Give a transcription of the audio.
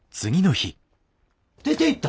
出ていった？